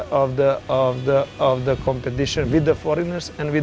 saya akan jadi pembawa kompetisi dengan dan tanpa pelatih pelatih